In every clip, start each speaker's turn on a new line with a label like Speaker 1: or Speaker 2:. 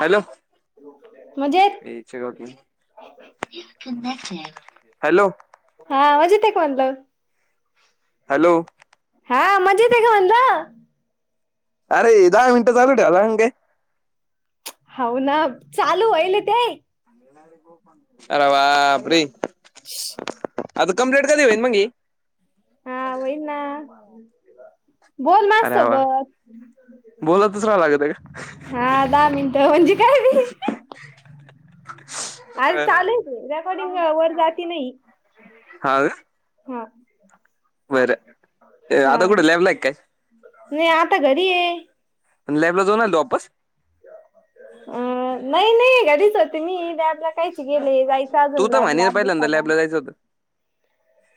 Speaker 1: Hello!
Speaker 2: मजेत
Speaker 1: hello!
Speaker 2: हा आवाज येतोय का म्हणलं?
Speaker 1: हॅलो
Speaker 2: हा म्हजेत का म्हणलं.
Speaker 1: अरे हे दहा मिनटं चालू ठेवलाय लागण काय?
Speaker 2: हो ना चालू व्हायल ते,
Speaker 1: अरे बापरे! आता कंप्लीट कधी होईन मग हे.
Speaker 2: हा होईना ना बोल माझ्या
Speaker 1: अरे वा
Speaker 2: सोबत.
Speaker 1: बोलतच राहावं लागत
Speaker 2: हा दहा मिनिटं म्हणजे काय रे,
Speaker 1: [unintelligible]
Speaker 2: आज
Speaker 1: का
Speaker 2: चालू आहे की रेकॉर्डिंग वर जाती नाही.
Speaker 1: हा
Speaker 2: हां.
Speaker 1: बरं. ते आता कुठय लॅबलाय कि काय?
Speaker 2: [unintelligible] आता घरी. आहे
Speaker 1: लॅबला जाऊन आली तू वापस?
Speaker 2: अ नाही नाही घरीच होते मी [unintelligible] कायचे गेले जायचं
Speaker 1: तू
Speaker 2: अजून
Speaker 1: तर
Speaker 2: लॅब ला
Speaker 1: म्हणे पहिल्यांदा
Speaker 2: अभ्यासाला.
Speaker 1: लॅबला जायचं होतं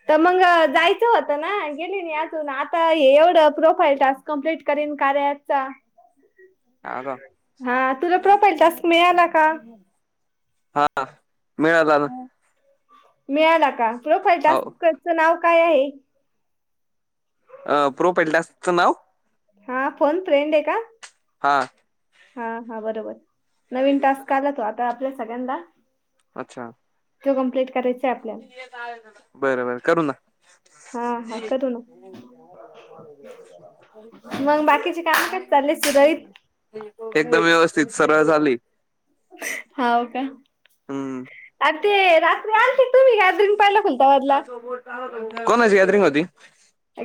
Speaker 2: तर मंग अ जायचं होतं ना गेली नाही अजून, आता हे एवढं प्रोफाईल टास्क - कंप्लीट करीन कार्याचा
Speaker 1: हा का
Speaker 2: हा तुला प्रॉपईल टास्क मिळाला का?
Speaker 1: हा. मिळाला ना.
Speaker 2: मिळाला का, प्रोफाइल
Speaker 1: हो
Speaker 2: टास्कच नाव काय आहे?
Speaker 1: अ प्रोफाईल टास्कच नाव?
Speaker 2: हा फोन फ्रेंड ए का?
Speaker 1: हा.
Speaker 2: हा हा बरोबर नवीन टास्क आला तो आता आपल्या सगळ्यांना-
Speaker 1: अच्छा.
Speaker 2: ते कंम्प्लिट करायचय आपल्याला.
Speaker 1: बर, बर करू ना.
Speaker 2: हा हा करू ना.
Speaker 1: [inaudible]
Speaker 2: मग बाकीचे काम काय चालले सुरळीत?
Speaker 1: एकदम व्यवस्थित [unintelligible]
Speaker 2: हाव का?
Speaker 1: हम्म
Speaker 2: आणि ते रात्री आलते. तुम्ही गॅदरींग पाहल खुलताबादला.
Speaker 1: कोणाची गॅदरिंग होती?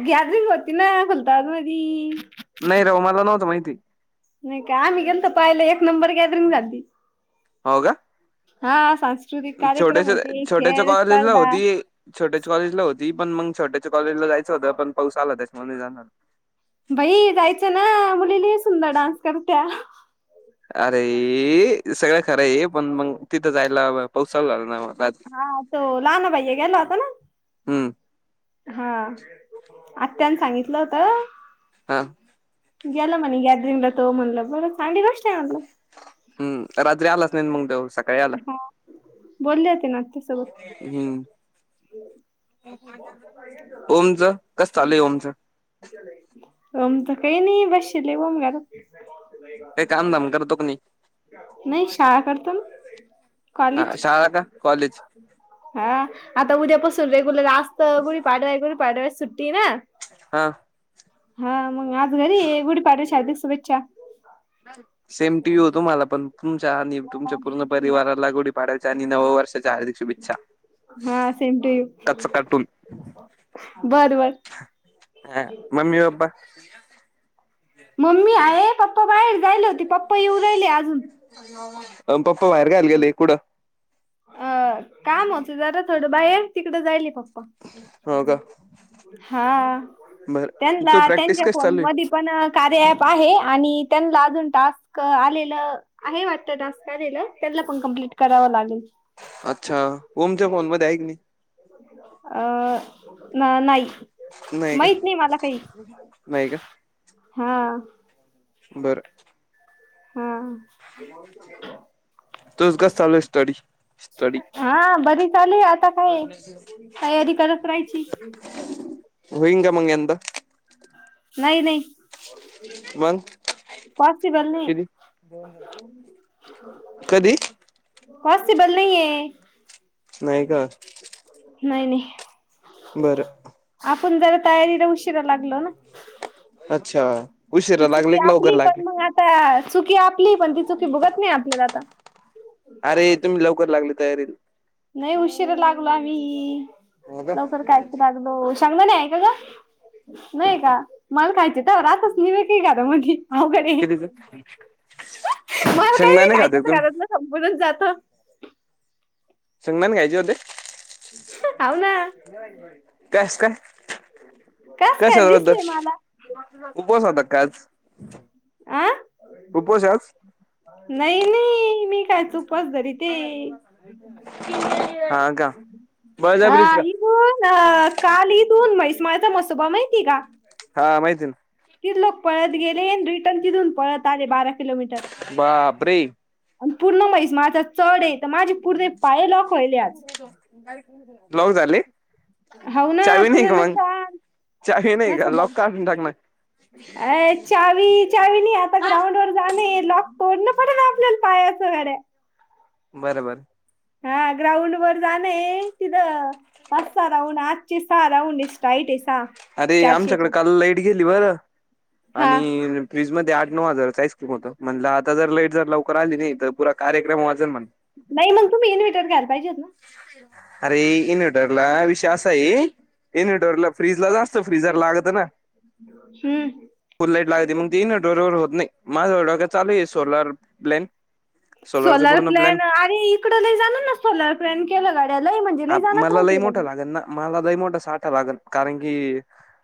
Speaker 2: गॅदरींग होती ना, खुलताबाद मधी.
Speaker 1: नाही राव मला नव्हतं माहिती.
Speaker 2: नाही का. आम्ही गेलतो पाहिलं एक नंबर गॅदरिंग झालती.
Speaker 1: हो का.
Speaker 2: हा सां-
Speaker 1: छोट्याशा छोट्याच्या कॉलेजला होती. छोट्याच्या कॉलेजला होती पण मंग छोट्याच्या कॉलेजला जायचं होत पण पाऊस आला त्याच्यामुळे नाही जाणार.
Speaker 2: बाई जायचं ना मुली लई सुंदर डान्स करत्या.
Speaker 1: अरे ए सगळं खरं आहे पण मंग तिथं जायला पाऊस चालू झाला ना.
Speaker 2: हा तो लहाना भैय्या गेला होता ना.
Speaker 1: हम्म.
Speaker 2: हा. आत्यान सांगितलं होतं.
Speaker 1: हा.
Speaker 2: गेला म्हणे गॅदरिंगला तो म्हणलं बर चांगली गोष्ट य म्हणलं.
Speaker 1: हम्म रात्री आलाच नाही मंग त्यो सकाळी आला.
Speaker 2: बोलले होते ना ते स
Speaker 1: हम्म
Speaker 2: [unintelligible]
Speaker 1: ओमचं? कस चालय ओमच?
Speaker 2: ओमचं काही नाही बशेल ए [unintelligible]
Speaker 1: काई कामं - धाम करतो की नाही?
Speaker 2: नाही शाळा करतो ना.
Speaker 1: हा
Speaker 2: कॉलेज.
Speaker 1: शाळा का कॉलेज
Speaker 2: हा आता उद्यापासून रेग्युलर असत, गुडी पाडवा हाय गुडी पाडव्याची सुट्टी ना.
Speaker 1: हा.
Speaker 2: हा मग आज घरी आहे. गुढी पाडव्याच्या हार्दिक शुभेच्छा.
Speaker 1: सेम टु यु तुम्हाला पण तुमच्या आणि तुमच्या पूर्ण परिवाराला गुडी पाडव्याच्या आणि नव वर्षाच्या हार्दिक शुभेच्छा.
Speaker 2: हा सेम टु यू
Speaker 1: कच्च कार्टून
Speaker 2: बर बर.
Speaker 1: हा मम्मी पप्पा
Speaker 2: मम्मी आहे पप्पा बाहेर जायेल होते पप्पा येऊ राहिले अजून.
Speaker 1: अ पप्पा बाहेर [unintelligible] कायला गेले कुडं.
Speaker 2: अ -काम होत जरा थोडं बाहेर तिकडं जाईले पप्पा.
Speaker 1: हो का
Speaker 2: हा
Speaker 1: बर
Speaker 2: त्यांना
Speaker 1: तू प्रॅक्टिस
Speaker 2: त्यांच्या
Speaker 1: कशी
Speaker 2: फोन
Speaker 1: चालू आहे
Speaker 2: मधी पण कार्या ॲप आहे आणि त्यांना अजून टास्क आलेलं आहे वाटतं टास्क आलेलं त्यानला पण कमप्लीट करावं लागल.
Speaker 1: अच्छा ओमच्या फोन मध्ये आहे की नाही?
Speaker 2: अ नाही. माहित नाही मला काही
Speaker 1: नाही का
Speaker 2: हा.
Speaker 1: बरं.
Speaker 2: हा.
Speaker 1: तुझ चालू हाय स्टडी. स्टडी
Speaker 2: हा बरी चाली आता काय तयारी करत रायची.
Speaker 1: व्हईन का मग यंदा?
Speaker 2: नाही नाही
Speaker 1: मग
Speaker 2: पॉसिबल नाही.
Speaker 1: किती कधी?
Speaker 2: पॉसिबल नाही आहे
Speaker 1: नाही का
Speaker 2: नाही नाही.
Speaker 1: बर
Speaker 2: आपण जरा तयारीला उशिरा लागलो. ना
Speaker 1: अच्छा उशिरा लागले की लवकर लागले
Speaker 2: आ चुकी आपली हे पण ती चुकी भोगतन हे आपल्याला आता.
Speaker 1: अरे तुम्ही लवकर लागले तयारीला.
Speaker 2: नाही उशीरा लागलो आम्ही
Speaker 1: हो का
Speaker 2: लवकर [unintelligible] हॅलो चांगलं नाही आहे का ग? नाही का मला खायचे तवर आता ठीक आहे आता म्हटली अवघड आहे
Speaker 1: कितीच
Speaker 2: मला काही बी
Speaker 1: शेंगदाणे खाते
Speaker 2: खायचंत
Speaker 1: तुम्ही
Speaker 2: घरातलं संपूनच जात.
Speaker 1: शेंगदाणे खायचे होते.
Speaker 2: हाव ना.
Speaker 1: कस काय
Speaker 2: कस काय
Speaker 1: कशा बदल?
Speaker 2: दिसले मला
Speaker 1: उपवास होता काय आज
Speaker 2: आ
Speaker 1: उपवास आहे आज.
Speaker 2: नाही नाही मी काय चुक
Speaker 1: हा का.
Speaker 2: हा
Speaker 1: बळजबरीच का
Speaker 2: इथून अ काल इथून मैस माळचा मसोबा माहीती हाय का?
Speaker 1: हा माहित आहे न.
Speaker 2: तीथ लोक पळत गेले अन रिटर्न तिथून पळत आले बारा किलोमीटर.
Speaker 1: बापरे
Speaker 2: आणि पूर्ण मैस माळचा चढ आहे तर माझे पूर्ण पाय लॉक व्हायले आज.
Speaker 1: ब्लाउज आले.
Speaker 2: हाव ना
Speaker 1: चावी नाही
Speaker 2: पूर्ण
Speaker 1: का मग
Speaker 2: नसा
Speaker 1: चावी नाही का लॉक काढून टाक ना.
Speaker 2: [inaudible] ए चावी, चावी नाही आता ग्राउंड वर जाणं हे लॉक तोंडन पडल आपल्याला पायाचं गड्या.
Speaker 1: बरं बरं.
Speaker 2: हा, ग्राउंड वर जाणे हे. तिथं पाच, सहा राऊंड आजचे सहा राऊंड राईट आहे सहा, चारशेच्या.
Speaker 1: ती गेली बर
Speaker 2: हा
Speaker 1: आणि फ्रीज मध्ये आठ नऊ हजारचं, आईस्क्रीम होतं. म्हणलं आता जर लाईट जर लवकर आली नाही, तर पुरा कार्यक्रम वाजल म्हण
Speaker 2: नाही, मग तुम्ही इन्व्हेटर घ्यायला पाहीजेत ना.
Speaker 1: अरे इन्व्हर्टरला विषय असा आहे इन्व्हर्टरला फ्रिज ला जास्त फ्रीझर लागतं ना.
Speaker 2: हम्म.
Speaker 1: फूल लाईट लागते, मग ती इन्व्हर्टरवर होत नाही. माझा बी डोक्यात चालू आहे, सोलर प्लॅन सोलरचा
Speaker 2: सोलर
Speaker 1: पूर्ण
Speaker 2: प्लॅन, आरे इकडं लई जणांना सोलर प्लॅन केलेला आहे. लई म्हणजे लई जणाकडं
Speaker 1: मला
Speaker 2: आहे
Speaker 1: लई
Speaker 2: केलेलं.
Speaker 1: मोठा लागेल ना मला लई मोठा साठा लागल, कारण की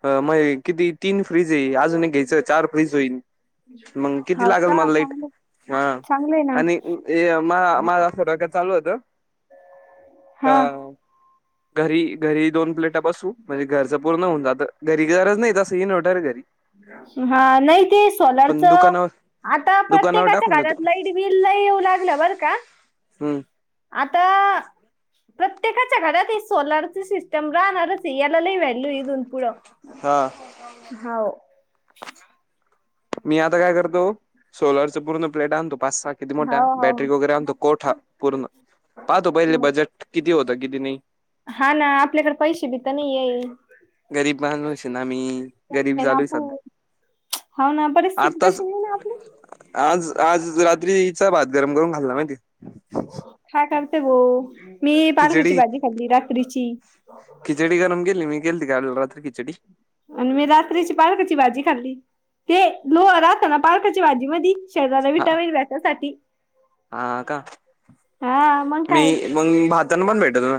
Speaker 1: मग हे किती तीन फ्रीज आहे, अजून एक घ्यायचं चार फ्रीज होईल. मंग किती
Speaker 2: हाव
Speaker 1: लागेल
Speaker 2: का
Speaker 1: मला लाईट,
Speaker 2: चांगलं
Speaker 1: हा.
Speaker 2: चांगलंय ना
Speaker 1: आणि ते मा माझं डोक्यांत असं चालु होतं, एक
Speaker 2: हा
Speaker 1: का घरी, घरी दोन प्लेटा बसवू, म्हणजे घरचं पूर्ण होऊन जातं. घरी गरज नाही, तसंही इन्व्हर्टर आहे घरी.
Speaker 2: हा, नाही ते
Speaker 1: पण
Speaker 2: सोलारचं
Speaker 1: दुकानावर
Speaker 2: आता
Speaker 1: दुकानावर
Speaker 2: प्रत्येकाच्या
Speaker 1: टाकून
Speaker 2: घरात,
Speaker 1: देतो
Speaker 2: लाईट बिल लई येऊ लागलं बर का?
Speaker 1: हम्.
Speaker 2: आता प्रत्येकाच्या घरात एक सोलारची, सिस्टम राहणारच आहे. याला लई व्हॅल्यू, आहे इथून पुढं.
Speaker 1: हा.
Speaker 2: हाव.
Speaker 1: मी आता काय करतो, सोलरचं पूर्ण प्लेटा आणतो पाच-सहा किती मोठ्या
Speaker 2: हाव हाव
Speaker 1: बॅटरी वगैरे आणतो, कोठा पूर्ण. पाहतो पहिले
Speaker 2: हाव.
Speaker 1: बजेट, किती होतं किती नाही.
Speaker 2: हा ना, आपल्याकडे पैसे बी तर नाहीये.
Speaker 1: गरीब, माणूस आहे ना मी? गरीब
Speaker 2: हे ना
Speaker 1: चालू आहे
Speaker 2: पू.
Speaker 1: सध्या
Speaker 2: हो ना. परिस्थिती
Speaker 1: आताच
Speaker 2: तशी नाहीये ना आपली.
Speaker 1: आज, आज रात्रीचा भात गरम करून खाल्ला माहितीऐ.
Speaker 2: काय करते गो? मी पालकाची
Speaker 1: खिचडी
Speaker 2: भाजी खाल्ली रात्रीची.
Speaker 1: खिचडी गरम केली. मी केलती, काल रात्री खिचडी.
Speaker 2: अन मी रात्रीची, पालकाची भाजी खाल्ली. ते लोह राहता ना, पालकाच्या भाजी मधी. शरीराला,
Speaker 1: हा
Speaker 2: विटामिन भेटण्यासाठी.
Speaker 1: हा का
Speaker 2: हा मंग
Speaker 1: मी
Speaker 2: काय?
Speaker 1: मग भातानं पण भेटल ना?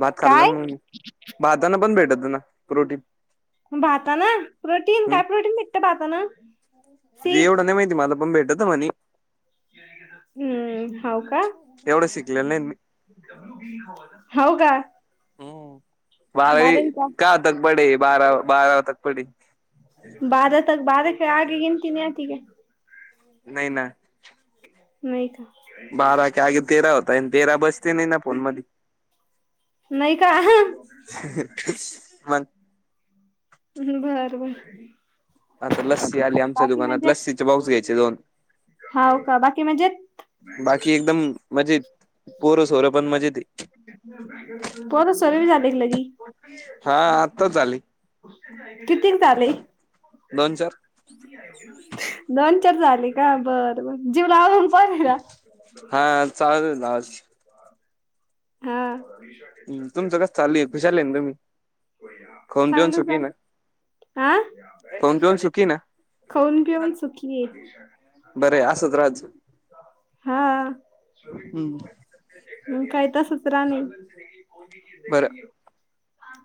Speaker 1: भात खाल्लांन
Speaker 2: काय
Speaker 1: मग मी. भातानं पण, भेटतं ना प्रोटीन.
Speaker 2: भातानं? प्रोटीन?
Speaker 1: हम्
Speaker 2: काय प्रोटीन भेटतं भातानं?
Speaker 1: एवढं नाही माहिती मला, पण भेटत म्हणे.
Speaker 2: हम्म, हो का?
Speaker 1: एवढं शिकलेलं नाही मी.
Speaker 2: हो का?
Speaker 1: हम्म बारावी, कहा तक पढे? बारावी तक पढे.
Speaker 2: बारातक. बारा के आगे, गीनती नही आती क्या?
Speaker 1: नाही ना.
Speaker 2: नाही का.
Speaker 1: बारा क तेरा होताय, तेरा बसते नाही ना फोन मध्ये.
Speaker 2: नाही का
Speaker 1: [unintelligible]
Speaker 2: बर बर
Speaker 1: आता लस्सी आली आमच्या
Speaker 2: बाकी
Speaker 1: दुकानात
Speaker 2: मजेत
Speaker 1: लस्सीचे बॉक्स घ्यायचे दोन.
Speaker 2: हाव का बाकी मजेत
Speaker 1: बाकी एकदम मजेत. पोरं सोरं पण मजेत आहेत.
Speaker 2: [inaudible]
Speaker 1: हा आताच झाली
Speaker 2: कितीक झाले
Speaker 1: दोन चार
Speaker 2: दोन चार झाले का बरं बरं मग जीव लावून परे
Speaker 1: हा चालल ना.
Speaker 2: हा
Speaker 1: हम्म तुमचं कस चालू आहे खुशालय आहे ना तुम्ही खाऊन पिऊन
Speaker 2: चांगलं
Speaker 1: सुकी आहे ना.
Speaker 2: चालेल हा
Speaker 1: खाऊन पिऊन सुखी ना
Speaker 2: खाऊन पिऊन सुकी.
Speaker 1: बरं आहे असंच राहत जा.
Speaker 2: हा म काय तस सराणी
Speaker 1: बरं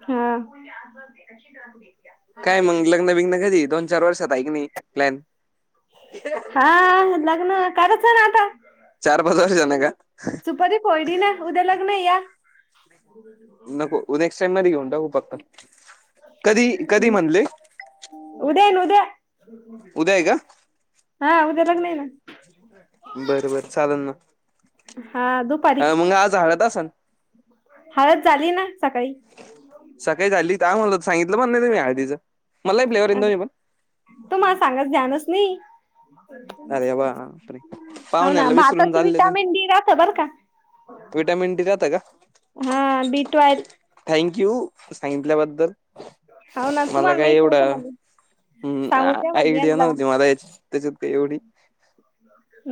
Speaker 2: हम [inaudible]
Speaker 1: काय मंग लग्न बिघ्न कधी दोन चार वर्षात ऐ का नाही प्लॅन.
Speaker 2: हा लग्न करायचंय ना आता.
Speaker 1: चार पाच वर्षा न का.
Speaker 2: सुपारी फोयडी ना उद्या लग्न या.
Speaker 1: नको नेक्स्ट टाईम म घेऊन पत्ता, कधी कधी म्हणले
Speaker 2: उद्या आहे ना उद्या
Speaker 1: उद्या आहे का
Speaker 2: हा उद्या लग्न आहे ना.
Speaker 1: बर बर चालेल ना.
Speaker 2: हा दु
Speaker 1: हा मग आज हळद असन-
Speaker 2: हळद झाली ना सकाळी.
Speaker 1: सकाळी झाली का म्हण सांगितलं पण नाही मी आहदीचं मला फ्लेवर येन दोनही पण
Speaker 2: तुम्हाला सांगायचं ध्यानच नाही.
Speaker 1: अरे वा
Speaker 2: हो ना
Speaker 1: पाहुण्याला विसरून
Speaker 2: भातात
Speaker 1: चालले तुम्ही
Speaker 2: विटामिन डी राहत बर का?
Speaker 1: विटॅमिन डी राहत का.
Speaker 2: हा बी ट्वेल.
Speaker 1: थँंक यू सांगितल्याबद्दल.
Speaker 2: हो ना
Speaker 1: मला
Speaker 2: तुम्हाला
Speaker 1: काय
Speaker 2: माहित नव्हतं
Speaker 1: एवढं
Speaker 2: म्हणले
Speaker 1: हम्म
Speaker 2: सांगून द्या म्हणले
Speaker 1: आयडिया
Speaker 2: यांना
Speaker 1: नव्हती मला यांची. तेच्यात काय एवढी.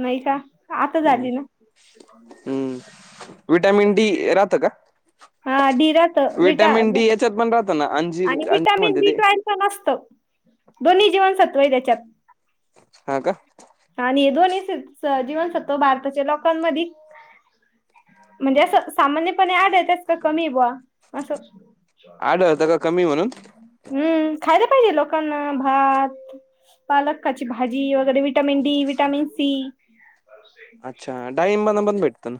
Speaker 2: नाही का. आता
Speaker 1: हम्
Speaker 2: झाली ना
Speaker 1: हम्म विटामिन डी राहतं का.
Speaker 2: हा डी राहतं विटा
Speaker 1: विटॅमिन डी यांच्यात पण राहत ना अंजीर
Speaker 2: आणि
Speaker 1: अंजी म्हण
Speaker 2: विटामिन बी
Speaker 1: ते,
Speaker 2: ट्वेल्व पण असतं दोन्ही जीवनसत्व आहे त्यांच्यात.
Speaker 1: हा का
Speaker 2: हा आणि हे जीवनसत्तव भारताच्या लोकांमध्येध म्हणजे असं सामान्यपणे आढळत्यात का कमी बुवा. असं
Speaker 1: आढळतं का कमी हाय म्हणून,
Speaker 2: हम्म खायला पाहिजे लोकांना भात पालकाची भाजी वगैरे. Vitamin D vitamin C.
Speaker 1: अच्छा डाईंबांमधून पण भेटत ना.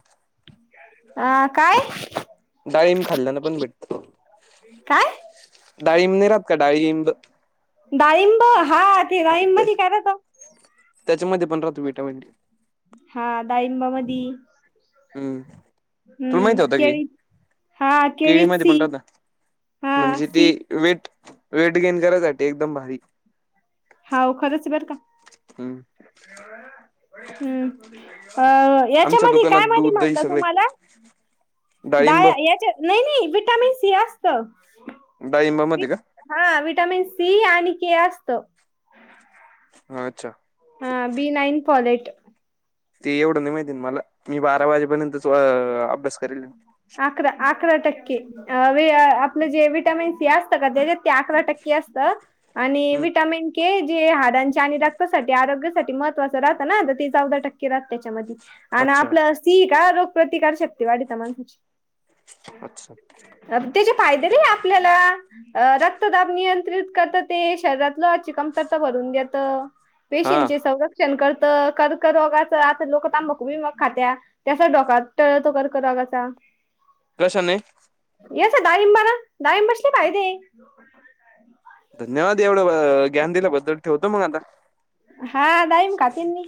Speaker 2: हा काय...
Speaker 1: डाळिंब खाल्ल्यान पण भेटत
Speaker 2: काय
Speaker 1: डाळिंब नाही राहत का डाळिंब.
Speaker 2: डाळिंब हा ते डाळिंब काय राहत.
Speaker 1: त्याच्यामध्ये पण राहत व्हिटॅमिन डी.
Speaker 2: हा डाळिंबा मधी.
Speaker 1: हम्म... तुला
Speaker 2: हम्म
Speaker 1: माहिती होत की
Speaker 2: केळी हा
Speaker 1: केळी
Speaker 2: केळीत
Speaker 1: मध्ये
Speaker 2: सी
Speaker 1: पण राहत
Speaker 2: हा
Speaker 1: म म्हणजे ते.
Speaker 2: सी
Speaker 1: वेट वेट गेन करायसाठी एकदम भारी.
Speaker 2: हो खरंच बर का.
Speaker 1: हम्...
Speaker 2: हम्म
Speaker 1: आमच्या
Speaker 2: याच्यामध्ये काय
Speaker 1: दुकानात
Speaker 2: माहिती
Speaker 1: दूध दही
Speaker 2: म्हणतात
Speaker 1: सगळे
Speaker 2: तुम्हाला.
Speaker 1: डाळिंब
Speaker 2: दाया याच्या नाही नाही विटामिन सी असत.
Speaker 1: डाळिंबामध्ये का
Speaker 2: हा विटामिन सी आणि केअसत.
Speaker 1: ह अच्छा.
Speaker 2: हा, बी नाईन पॉलेट.
Speaker 1: ते एवढं नाही माहिती मला, मी बारा वाजेपर्यंत अभ्यासथोडा करेल.
Speaker 2: अकरा, अकरा टक्के आपलं जे विटामिन सी असतं का त्याच्यात, ते अकरा टक्के. के असतं, आणि
Speaker 1: हम्म,
Speaker 2: वीटामीन के. जे हाडांच्या आणि रक्तासाठी आरोग्यासाठी महत्वाच राहत ना, ते चौदा टक्के राहत त्याच्यामध्ये. आणि
Speaker 1: अच्छा
Speaker 2: आपलं सी का रोगप्रतिकार शक्ती वाढवत माणसाची.
Speaker 1: अच्छा...
Speaker 2: त्याचे फायदे लई आपल्याला, रक्तदाब नियंत्रित करत ते शरीरात, लोहा ची कमतरता भरून घेतं,
Speaker 1: हा
Speaker 2: पेशीं ची संरक्षण. संरक्षण करतं, कर्कररोगाच आता लोकं तांबकु बींमाकु खात्यात. त्याचा धोका टळतो कर्करोगाचा.
Speaker 1: कश्याने?
Speaker 2: येचा डाळिंबाना, डाळिंबाचे फायदे.
Speaker 1: धन्यवाद एवढं ज्ञान दिल्याबद्दल, ठवतो मग आता.
Speaker 2: हा डाळिंब खाते मी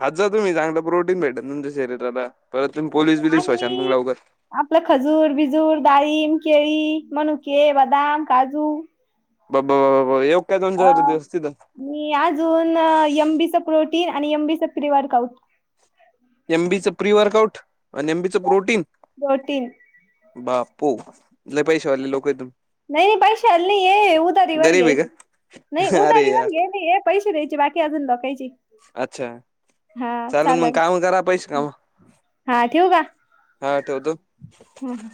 Speaker 1: खात जा तुम्ही, चांगलं प्रोटीन भेटल तुमच्या शरीराला, परत तुम्ही पोलीस बीलीस होशान मग
Speaker 2: आणि
Speaker 1: लावकर.
Speaker 2: आपलं खजूर, बिजूर, डाळीब, केळी, मणुके, बदाम, काजू.
Speaker 1: ब येऊ काय दोन
Speaker 2: अ
Speaker 1: चार दिवस तिथं?
Speaker 2: मी अजून यमबीचं प्रोटीन, आणि यमबीचं pre work out.
Speaker 1: M B च प्री वर्कआउट, आणि एमबीच प्रोटीन.
Speaker 2: प्रोटीन
Speaker 1: बापू, लय पैसे वाले लोक आय तुम्ही.
Speaker 2: नाही नाही पैसे वाली नाहीये, उदारी वर
Speaker 1: गरीब
Speaker 2: घे,
Speaker 1: आहे
Speaker 2: नाही
Speaker 1: का अरे
Speaker 2: उदारी
Speaker 1: यार
Speaker 2: वर घेयचं. पैसे द्यायची बाकीअजून लोकायचे.
Speaker 1: अच्छा, चालेल मंग काम करा पैसे कामवा. हा ठेवतो.
Speaker 2: बरं.